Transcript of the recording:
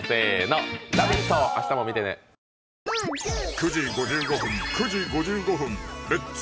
９時５５分９時５５分「レッツ！